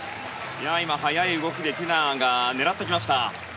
今、早い動きでティナが狙ってきました。